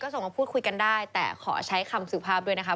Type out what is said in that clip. ส่งมาพูดคุยกันได้แต่ขอใช้คำสุภาพด้วยนะคะ